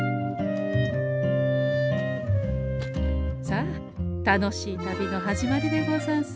さあ楽しい旅の始まりでござんすよ。